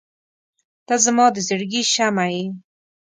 • ته زما د زړګي شمعه یې.